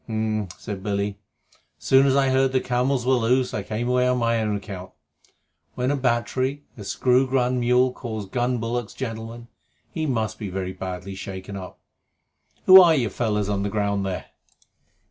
"H'm!" said Billy. "As soon as I heard the camels were loose I came away on my own account. When a battery a screw gun mule calls gun bullocks gentlemen, he must be very badly shaken up. Who are you fellows on the ground there?"